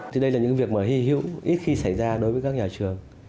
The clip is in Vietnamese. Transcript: thì đây là những việc mà hy hữu ít khi xảy ra đối với các nhà trường